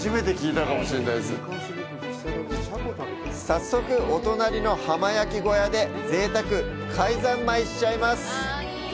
早速、お隣の浜焼き小屋でぜいたく貝三昧しちゃいます！